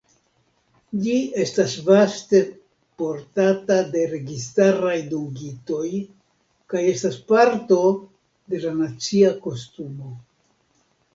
Ĝi estas vaste portata de registaraj dungitoj, kaj estas parto de la nacia kostumo.